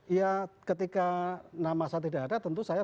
ya ketika nama saya tidak ada tentu saya